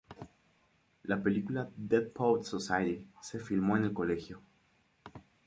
La película "Dead Poets Society" se filmó en el colegio.